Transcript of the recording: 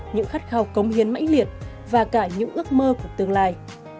những khát khao cống hiến mãnh liệt và cả những ước mơ của tương lai